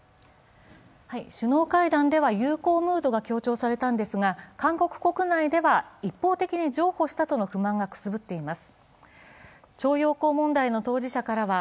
首脳会談では友好ムードが強調されたんですが、韓国国内では、一方的に譲歩したとの不満がくすぶっています。